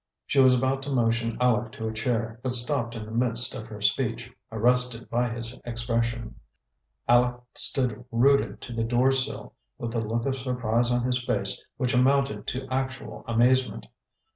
She was about to motion Aleck to a chair, but stopped in the midst of her speech, arrested by his expression. Aleck stood rooted to the door sill, with a look of surprise on his face which amounted to actual amazement.